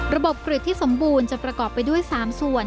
กริจที่สมบูรณ์จะประกอบไปด้วย๓ส่วน